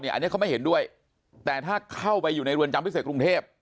อันนี้เขาไม่เห็นด้วยแต่ถ้าเข้าไปอยู่ในเรือนจำพิเศษกรุงเทพ